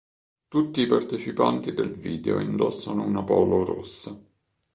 Tutti i partecipanti del video indossano una polo rossa.